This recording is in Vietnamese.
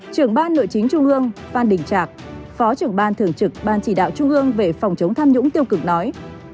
trưởng ban nội chính trung ương phan đình trạc phó trưởng ban thường trực ban chỉ đạo trung ương về phòng chống tham nhũng tiêu cực nói